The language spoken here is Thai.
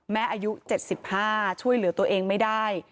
อายุ๗๕ช่วยเหลือตัวเองไม่ได้